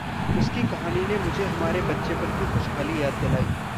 उसकी कहानी ने मुझे हमारे बच्चेपन की खुशहाली याद दिलाई।